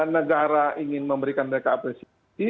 negara ingin memberikan mereka apresiasi